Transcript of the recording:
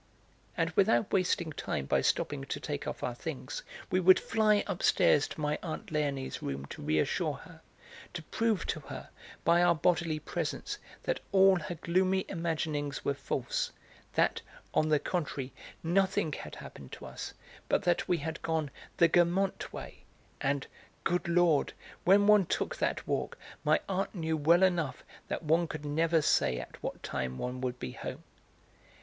And without wasting time by stopping to take off our 'things' we would fly upstairs to my aunt Léonie's room to reassure her, to prove to her by our bodily presence that all her gloomy imaginings were false, that, on the contrary, nothing had happened to us, but that we had gone the 'Guermantes way,' and, good lord, when one took that walk, my aunt knew well enough that one could never say at what time one would be home.